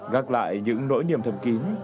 gặp lại những nỗi niềm thầm kín